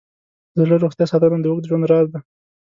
د زړه روغتیا ساتنه د اوږد ژوند راز دی.